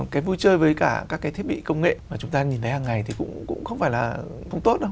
cái vui chơi với cả các cái thiết bị công nghệ mà chúng ta nhìn thấy hàng ngày thì cũng không tốt đâu